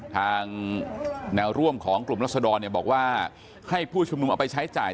ทางแนวร่วมของกลุ่มรัศดรบอกว่าให้ผู้ชุมนุมเอาไปใช้จ่าย